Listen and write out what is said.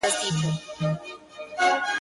د زړه ملا مي راته وايي دغه.